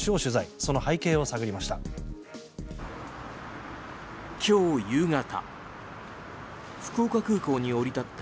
その背景を探りました。